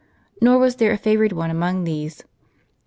Nor was there a favored one among these.